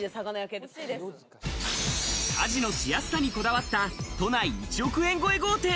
家事のしやすさにこだわった都内１億円超え豪邸。